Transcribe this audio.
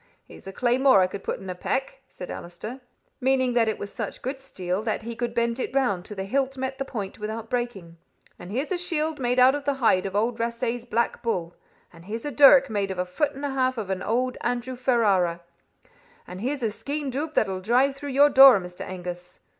'Here's a claymore I could put in a peck,' said Allister, meaning it was such good steel that he could bend it round till the hilt met the point without breaking; 'and here's a shield made out of the hide of old Rasay's black bull; and here's a dirk made of a foot and a half of an old Andrew Ferrara; and here's a skene dubh that I'll drive through your door, Mr. Angus.